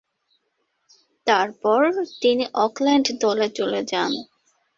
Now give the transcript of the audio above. তারপর, তিনি অকল্যান্ড দলে চলে যান।